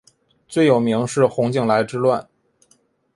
最有名是洪景来之乱。